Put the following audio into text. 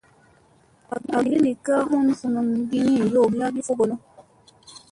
Agi li ka humun vunun di ni yowgi hagi fogonu.